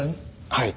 はい。